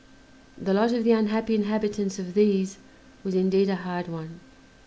The lot of the unhappy inhabitants of these was indeed a hard one.